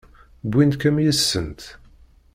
Wwint-kem yid-sent?